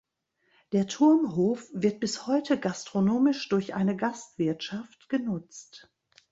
Der Turmhof wird bis heute gastronomisch durch eine Gastwirtschaft genutzt.